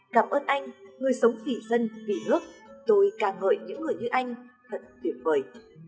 cảm ơn anh người sống vì dân vì nước tôi ca ngợi những người như anh thật tuyệt vời